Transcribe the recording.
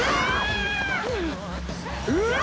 うわ！